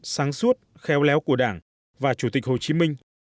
sáng suốt khéo léo của đảng và chủ tịch hồ chí minh